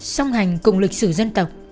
song hành cùng lịch sử dân tộc